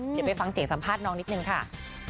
เดี๋ยวไปฟังเสียงสัมภาษณ์น้องนิดนึงค่ะ